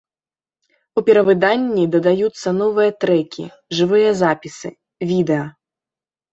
У перавыданні дадаюцца новыя трэкі, жывыя запісы, відэа.